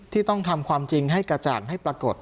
ที่ต้องทำความจริงให้กระจ่างให้ปรากฏ